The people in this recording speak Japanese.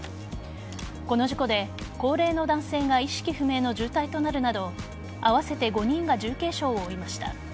この事故で高齢の男性が意識不明の重体となるなど合わせて５人が重軽傷を負いました。